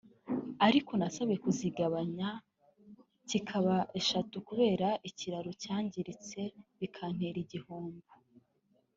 ariko nasabwe kuzigabanya zikaba eshatu kubera ikiraro cyangiritse bikantera igihombo